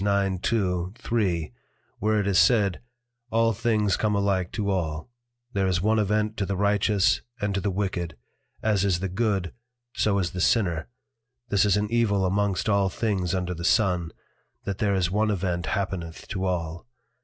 9.2, 3._ where it is said, _All things come alike to all, there is one event to the Righteous and to the Wicked, as is the Good, so is the Sinner, this is an evil amongst all things under the Sun, that there is one Event happeneth to all.